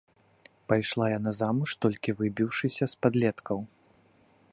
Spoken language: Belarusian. Пайшла яна замуж толькі выбіўшыся з падлеткаў.